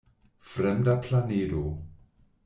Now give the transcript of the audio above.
Fremda planedo.